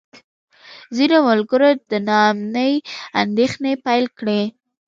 ځینو ملګرو د نا امنۍ اندېښنې پیل کړې.